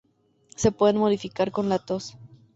Se pueden modificar con la tos.